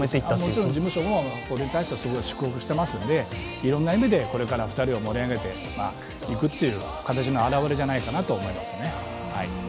もちろん事務所もこれに対してすごく祝福していますのでいろんな意味でこれから２人を盛り上げていくという形の表れじゃないかなと思います。